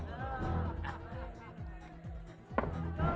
anda tahu tak